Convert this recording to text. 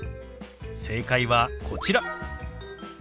正解はこちら。